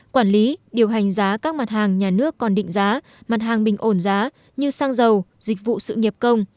quản lý điều hành giá các mặt hàng nhà nước còn định giá mặt hàng bình ổn giá như xăng dầu dịch vụ sự nghiệp công